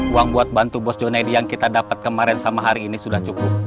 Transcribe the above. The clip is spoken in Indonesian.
uang buat bantu bos jonadi yang kita dapat kemarin sama hari ini sudah cukup